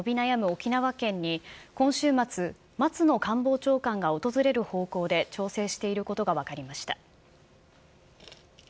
沖縄県に、今週末、松野官房長官が訪れる方向で調整していることが分かりました。